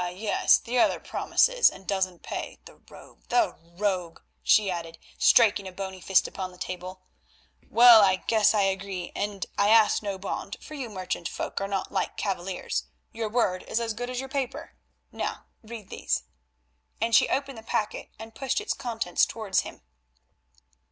yes, the other promises and doesn't pay—the rogue, the rogue," she added, striking a bony fist upon the table. "Well, I agree, and I ask no bond, for you merchant folk are not like cavaliers, your word is as good as your paper. Now read these," and she opened the packet and pushed its contents towards him.